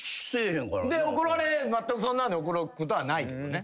まったくそんなんで怒ることはないけどね。